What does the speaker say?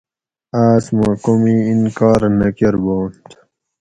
آس ما کومی انکار نہ کۤربانت